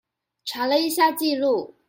查了一下記錄